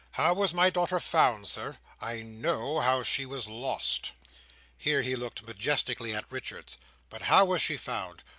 How was my daughter found, Sir? I know how she was lost." Here he looked majestically at Richards. "But how was she found?